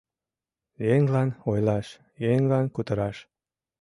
Еҥлан ойлаш, еҥлан кутыраш